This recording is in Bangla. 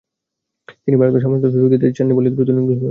তিনি ভারতকে সামান্যতম সুযোগ দিতে চাননি বলেই দ্রুত ইনিংস ঘোষণা করেননি।